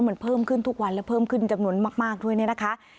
มันเพิ่มขึ้นทุกวันและเพิ่มขึ้นจำนวนมากด้วยเนี่ยนะคะ